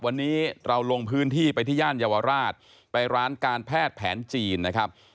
วันนี้เราลงพื้นที่ไปที่ย่านเยาวราชไปร้านการแพทย์แผนจีนนะครับ